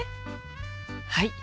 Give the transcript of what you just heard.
はい。